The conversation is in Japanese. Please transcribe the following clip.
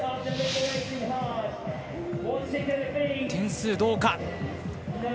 点数はどうか。